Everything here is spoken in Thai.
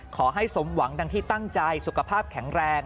ขอให้สมหวังดังที่ตั้งใจสุขภาพแข็งแรง